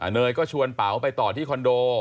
เนยก็ชวนเป๋าไปต่อที่คอนโด